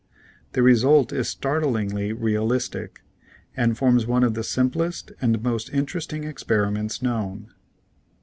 The result is start lingly realistic, and forms one of the simplest and most interesting experiments known.